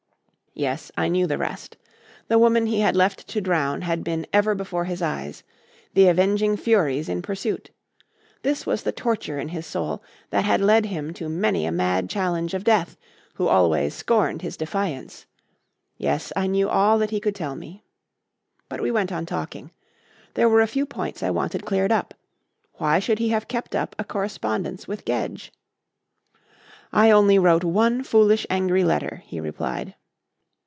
Yes, I knew the rest. The woman he had left to drown had been ever before his eyes; the avenging Furies in pursuit. This was the torture in his soul that had led him to many a mad challenge of Death, who always scorned his defiance. Yes, I knew all that he could tell me. But we went on talking. There were a few points I wanted cleared up. Why should he have kept up a correspondence with Gedge? "I only wrote one foolish angry letter," he replied.